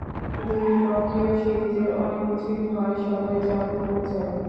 দ্বিপক্ষীয় সিরিজে অনেক কিছুই হয়, সবাই যা ভুলেও যায়।